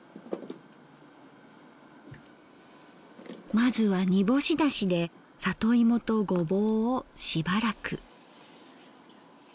まずは煮干しだしで里芋とごぼうをしばらく。